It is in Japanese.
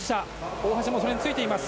大橋もそれについています。